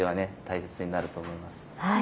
大切になると思います。